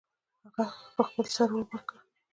هغې په خپل سر اور بل کړ